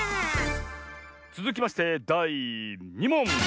つづきましてだい２もん！